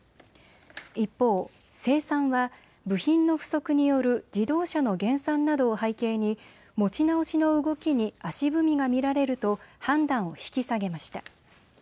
一方、生産は部品の不足による自動車の減産などを背景に持ち直しの動きに足踏みが見られると判断を引き下げました。